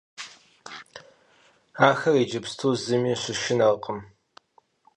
Ахэр иджыпсту зыми щышынэркъым.